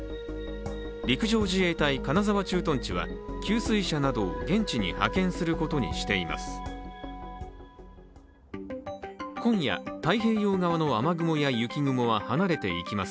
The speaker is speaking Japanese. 陸上自衛隊金沢駐屯地は給水車などを現地に派遣することにしています。